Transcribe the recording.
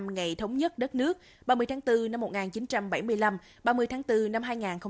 ngày thống nhất đất nước ba mươi tháng bốn năm một nghìn chín trăm bảy mươi năm ba mươi tháng bốn năm hai nghìn hai mươi